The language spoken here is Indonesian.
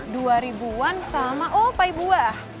dua ribuan sama oh pai buah